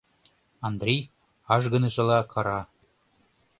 Андрий ажгынышыла кара.